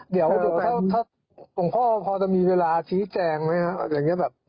เดี๋ยวถ้าหลวงพ่อพอจะมีเวลาชี้แจงเนี่ย